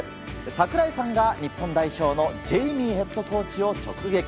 櫻井さんが日本代表のジェイミーヘッドコーチを直撃。